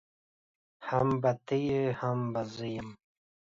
هم به ته يې هم به زه يم.